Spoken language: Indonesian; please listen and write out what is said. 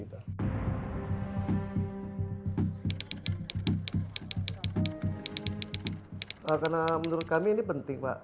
karena menurut kami ini penting pak